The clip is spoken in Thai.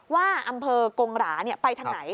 ว่าอำเภอกงหราไปทางไหน